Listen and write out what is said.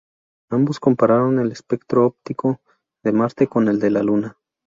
Ambos compararon el espectro óptico de Marte con el de la Luna.